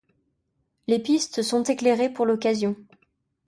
Les pistes sont éclairées pour l'occasion.